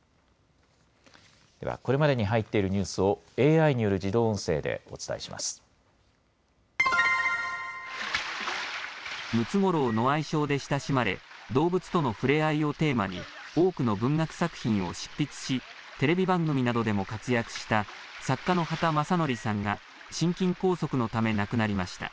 ではこれまでに入っているニュースを、ＡＩによる自動音声でお伝ムツゴロウの愛称で親しまれ、動物とのふれあいをテーマに、多くの文学作品を執筆し、テレビ番組などでも活躍した、作家の畑正憲さんが、心筋梗塞のため亡くなりました。